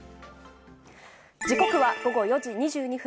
時刻は午後４時２２分。